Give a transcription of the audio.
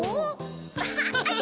アハハハ！